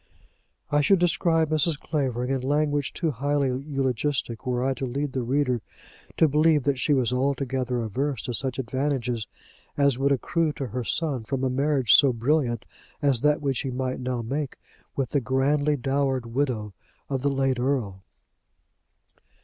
I should describe Mrs. Clavering in language too highly eulogistic were I to lead the reader to believe that she was altogether averse to such advantages as would accrue to her son from a marriage so brilliant as that which he might now make with the grandly dowered widow of the late earl.